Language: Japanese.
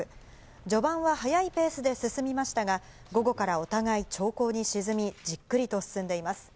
序盤は早いペースで進みましたが、午後からお互い、長考に沈み、じっくりと進んでいます。